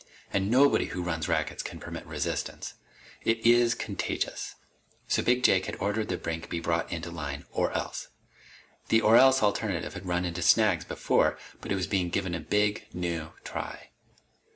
And nobody who runs rackets can permit resistance. It is contagious. So Big Jake had ordered that Brink be brought into line or else. The or else alternative had run into snags, before, but it was being given a big new try.